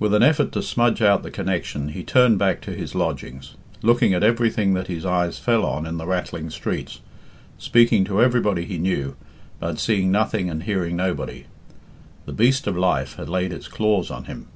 With an effort to smudge out the connection he turned back to his lodgings, looking at everything that his eyes fell on in the rattling streets, speaking to everybody he knew, but seeing nothing and hearing nobody. The beast of life had laid its claws on him.